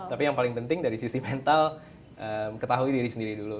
tapi yang paling penting dari sisi mental ketahui diri sendiri dulu